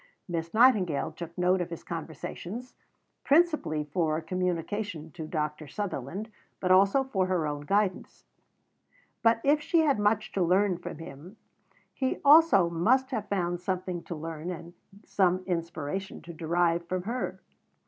Miss Nightingale took note of his conversations, principally for communication to Dr. Sutherland, but also for her own guidance. But if she had much to learn from him, he also must have found something to learn, and some inspiration to derive, from her.